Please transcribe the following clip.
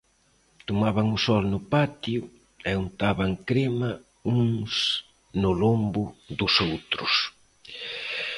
Tomaban o sol no patio e untaban crema uns no lombo dos outros.